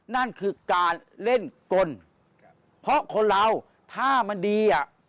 นั่นคือการเล่นกลเพราะคนเราถ้ามันดีอ่ะ